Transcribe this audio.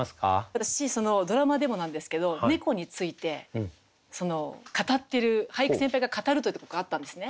私ドラマでもなんですけど猫について語ってる俳句先輩が語るというところがあったんですね。